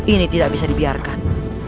ini tidak bisa dibiarkan